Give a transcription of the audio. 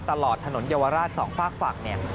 ตลอดถนนเยาวราช๒ฝากเนี่ย